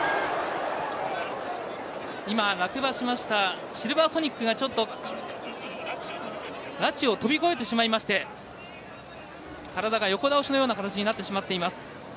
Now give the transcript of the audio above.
落馬しましたシルヴァーソニックがラチを飛び越えてしまいまして体が横倒しのような形になってしまっています。